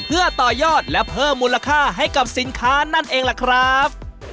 เพื่อต่อยอดและเพิ่มมูลค่าให้กับสินค้านั่นเองล่ะครับ